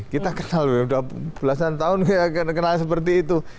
kita kenal udah belasan tahun kenal seperti itu